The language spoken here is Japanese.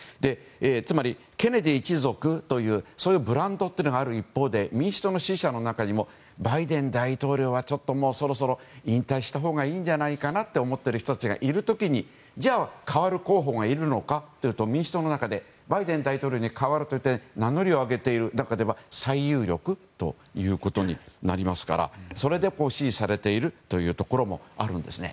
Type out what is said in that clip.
つまり、ケネディ一族というそういうブランドがある一方で民主党の支持者の中にもバイデン大統領はちょっとそろそろ引退したほうがいいんじゃないかと思っている人たちがいる時にじゃあ、代わる候補がいるのかというと民主党の中に名乗りを上げている中では最有力となりますからそれで支持されているところもあるんですね。